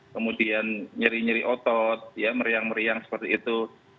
kemudian nyeri nyeri otot ya meriang meriang seperti itu